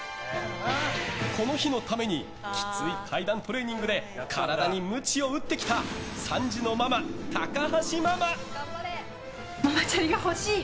この日のためにきつい階段トレーニングで体にむちを打ってきた３児のママ、高橋ママ。